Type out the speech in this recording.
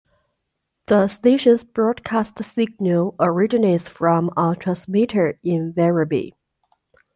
The station's broadcast signal originates from a transmitter in Werribee.